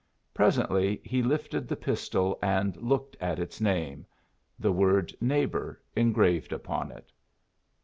Presently he lifted the pistol and looked at its name the word "Neighbor" engraved upon it.